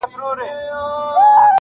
څوک چي په غم کي د نورو نه وي -